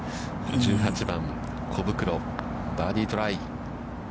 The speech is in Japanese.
１８番、小袋、バーディートライ。